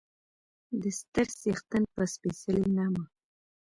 د ستر څښتن په سپېڅلي نامه